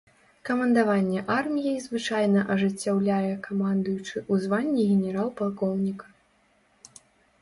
Камандаванне арміяй звычайна ажыццяўляе камандуючы ў званні генерал-палкоўніка.